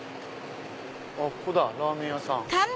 ここだラーメン屋さん。